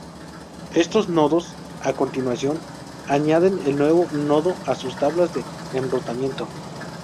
Estos nodos, a continuación, añaden el nuevo nodo a sus tablas de enrutamiento.